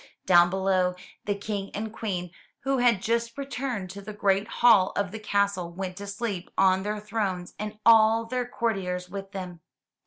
Down below, the King and Queen, who had just returned to the great hall of the castle, went to sleep on their thrones and all their courtiers with them.